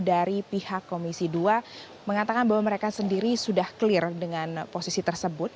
dari pihak komisi dua mengatakan bahwa mereka sendiri sudah clear dengan posisi tersebut